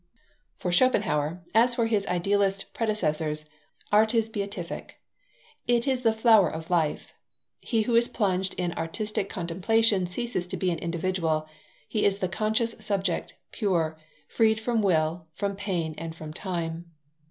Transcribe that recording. For Schopenhauer, as for his idealist predecessors, art is beatific. It is the flower of life; he who is plunged in artistic contemplation ceases to be an individual; he is the conscious subject, pure, freed from will, from pain, and from time.